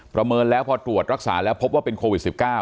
เมินแล้วพอตรวจรักษาแล้วพบว่าเป็นโควิด๑๙